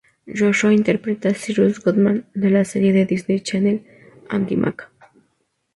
Joshua interpreta a Cyrus Goodman de la serie de Disney Channel, "Andi Mack".